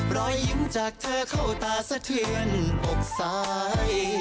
รอยยิ้มจากเธอเข้าตาสะเทือนอกสาย